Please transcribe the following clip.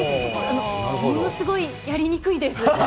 ものすごいやりにくいです。